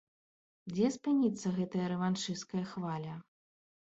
Дзе спыніцца гэтая рэваншысцкая хваля?